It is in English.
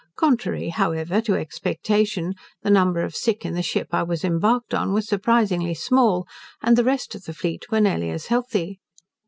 Contrary, however, to expectation, the number of sick in the ship I was embarked on was surprisingly small, and the rest of the fleet were nearly as healthy.